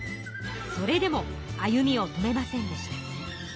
それでも歩みを止めませんでした。